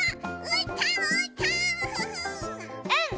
うん！